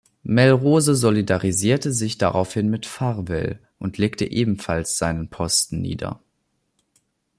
Melrose solidarisierte sich daraufhin mit Farwell und legte ebenfalls seinen Posten nieder.